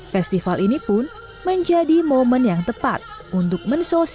festival ini pun menjadi momen yang tepat untuk mensosialisasikan